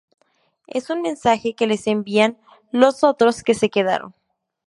Es un mensaje que les envían los otros que se quedaron.